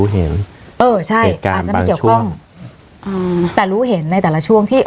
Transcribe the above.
เป็นพยานในครั้งนี้